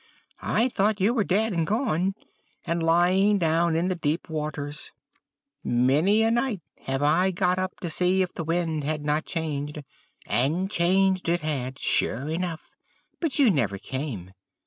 'I thought you were dead and gone, and lying down in the deep waters. Many a night have I got up to see if the wind had not changed: and changed it had, sure enough; but you never came.